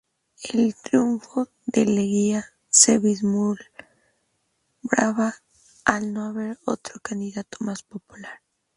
El triunfo de Leguía se vislumbraba, al no haber otro candidato más popular.